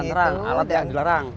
cantrang alat yang dilarang